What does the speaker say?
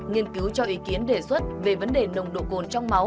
nghiên cứu cho ý kiến đề xuất về vấn đề nồng độ cồn trong máu